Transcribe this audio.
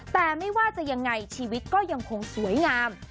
แต่ไม่ว่าจะยังไงชีวิตก็ยังคงสวยงาม